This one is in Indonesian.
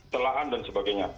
jumlahan dan sebagainya